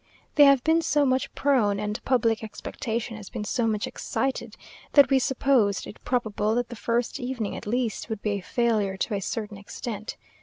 They have been so much prone, and public expectation has been so much excited, that we supposed it probable that the first evening at least would be a failure to a certain extent.